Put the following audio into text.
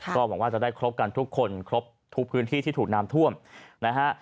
ก็หวังว่าจะได้ครบกันทุกคนครบทุกพื้นที่ที่ถูกน้ำท่วมนะฮะ